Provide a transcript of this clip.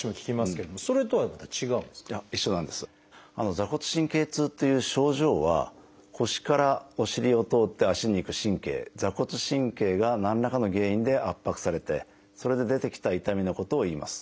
座骨神経痛っていう症状は腰からお尻を通って足に行く神経座骨神経が何らかの原因で圧迫されてそれで出てきた痛みのことをいいます。